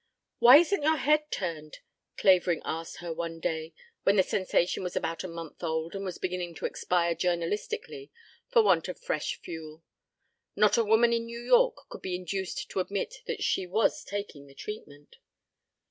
"Why isn't your head turned?" Clavering asked her one day when the sensation was about a month old and was beginning to expire journalistically for want of fresh fuel. (Not a woman in New York could be induced to admit that she was taking the treatment.)